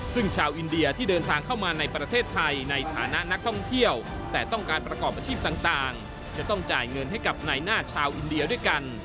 ซึ่งชาวอินเดียที่เดินทางเข้ามาในประเทศไทยในฐานะนักท่องเที่ยวแต่ต้องการประกอบอาชีพต่างจะต้องจ่ายเงินให้กับนายหน้าชาวอินเดียด้วยกัน